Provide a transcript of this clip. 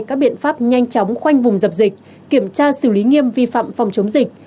các biện pháp nhanh chóng khoanh vùng dập dịch kiểm tra xử lý nghiêm vi phạm phòng chống dịch